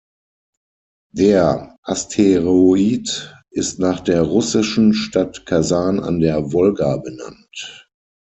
Der Asteroid ist nach der russischen Stadt Kasan an der Wolga benannt.